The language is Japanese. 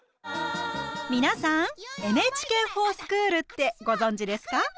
皆さん「ＮＨＫｆｏｒＳｃｈｏｏｌ」ってご存じですか？